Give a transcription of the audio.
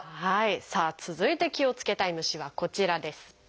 さあ続いて気をつけたい虫はこちらです。